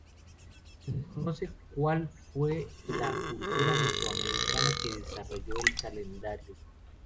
Se desconoce cuál fue la cultura mesoamericana que desarrolló el calendario.